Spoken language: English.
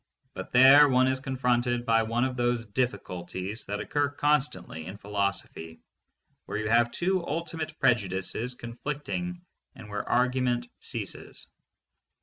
But there one is confronted by one of those difficulties that occur constantly in philosophy, where you have two ultimate prejudices conflicting and where argu ment ceases.